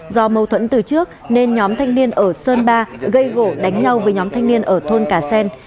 do mâu thuẫn từ trước nên nhóm thanh niên ở sơn ba gây gỗ đánh nhau với nhóm thanh niên ở thôn cà xen